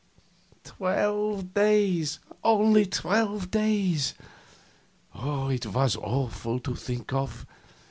Twelve days only twelve days. It was awful to think of.